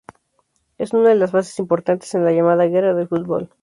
Es una de las fases importantes en la llamada guerra del fútbol.